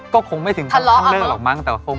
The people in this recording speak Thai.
ก็คงไม่ถึงทำเล่าหรอกมั้ง